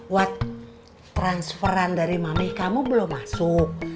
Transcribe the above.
wat transferan dari mamey kamu belum masuk